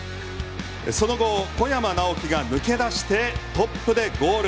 その後小山直城が抜け出してトップでゴール。